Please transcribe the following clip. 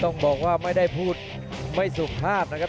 ต้องบอกว่าไม่ได้พูดไม่สุภาพนะครับ